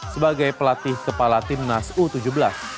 sebagai pelatih kepala timnas u tujuh belas